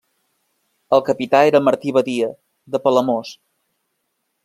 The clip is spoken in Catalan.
El capità era Martí Badia, de Palamós.